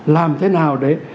làm thế nào đấy